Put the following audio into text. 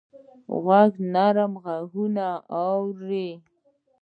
غوږ د نړۍ غږونه اوري.